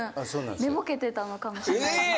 寝ぼけてたのかもしれないですね。